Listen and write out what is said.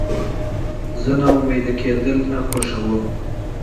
زه ناامیده کېدل نه خوښوم.